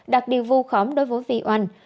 đặt điều vu khống đối với vy oanh